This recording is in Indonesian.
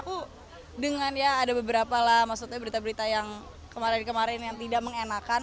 maksudnya ada beberapa lah maksudnya berita berita yang kemarin kemarin yang tidak mengenakan